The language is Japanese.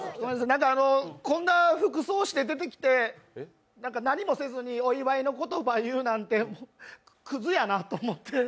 なんかあの、こんな服装して出てきて何もせずにお祝いの言葉言うなんて、クズやなって思って。